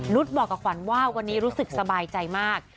บอกกับขวัญว่าวันนี้รู้สึกสบายใจมาก